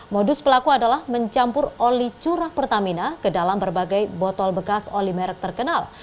modus pelaku adalah mencampur oli curah pertamina ke dalam berbagai botol bekas oli merek terkenal